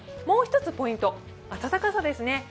もう一つ、ポイント、暖かさですね。